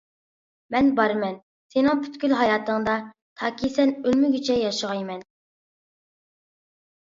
مەن بارمەن سېنىڭ پۈتكۈل ھاياتىڭدا، تاكى سەن ئۆلمىگۈچە ياشىغايمەن.